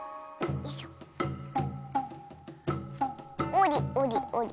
おりおりおり。